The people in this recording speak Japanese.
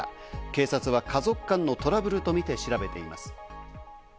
警察は家族間のトラブルとみて調べています。